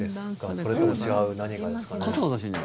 それとも違う何かですかね？